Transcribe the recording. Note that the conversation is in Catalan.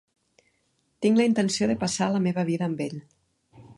Tinc la intenció de passar la meva vida amb ell.